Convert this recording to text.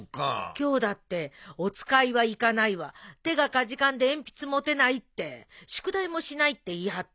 今日だってお使いは行かないわ手がかじかんで鉛筆持てないって宿題もしないって言い張って。